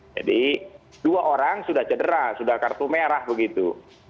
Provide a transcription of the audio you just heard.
jadi dua orang sudah cedera sudah kartu merah begitu